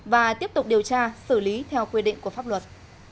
và tiếp tục điều tra xử lý theo quy định của pháp luật